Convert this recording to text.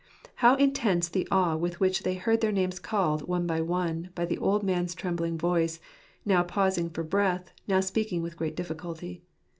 How intense the awe with which they heard their names called, one by one, by the old man's trembling voice, now pausing for breath, now speaking with great difficulty